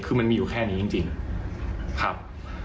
คือมันมีอยู่แค่นี้จริงครับ